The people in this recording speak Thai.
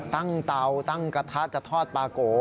ตั้งเตาตั้งกระทะจะทอดปลาก๋ว